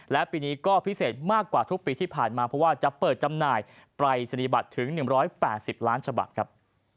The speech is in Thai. และปีนี้ก็พิเศษมากกว่าทุกปีที่ผ่านมาเพราะว่าจะเปิดจำหน่ายปรายศนียบัตรถึง๑๘๐ล้านฉบับครับ